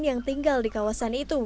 yang tinggal di kawasan itu